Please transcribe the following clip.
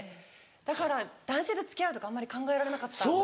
だから男性と付き合うとかあんまり考えられなかった。